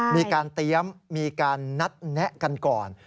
มีการเตรียมมีการนัดแนะกันก่อน